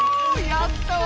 やったわ！